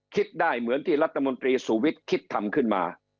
คิดได้เหมือนที่รัฐมนตรีสุวิทย์คิดทำขึ้นมา